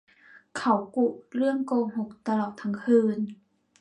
เขากุเรื่องโกหกตลอดทั้งคืน